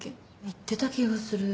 言ってた気がする。